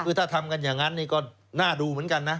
คือถ้าทำกันอย่างนั้นนี่ก็น่าดูเหมือนกันนะ